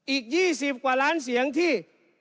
อีก๒๐กว่าล้านเสียงที่